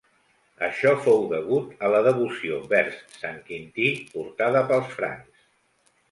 Això fou degut a la devoció vers Sant Quintí portada pels francs.